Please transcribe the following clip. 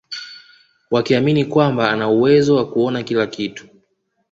Wakiamini kwamba ana uwezo wa kuona kila kitu